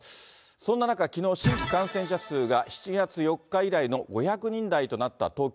そんな中、きのう、新規感染者数が７月４日以来の５００人台となった東京。